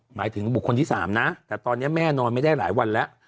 หมายถึงบุคคลที่๓นะแต่ตอนนี้แม่นอนไม่ได้หลายวันแล้ว